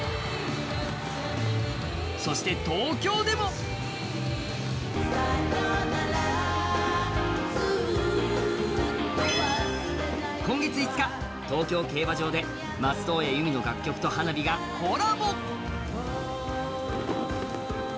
そして東京でも今月５日、東京競馬場で松任谷由実の楽曲と花火がコラボ。